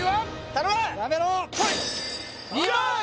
頼む！